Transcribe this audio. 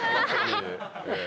ハハハ！